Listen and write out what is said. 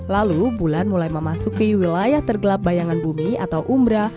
lalu bulan mulai memasuki wilayah tergelap bayangan bumi atau umbra